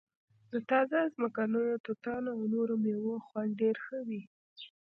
د تازه ځمکنیو توتانو او نورو میوو خوند ډیر ښه وي